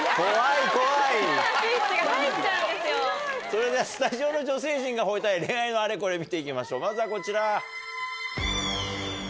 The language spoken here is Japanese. それではスタジオの女性陣が吠えたい恋愛のアレコレ見て行きましょうまずはこちら。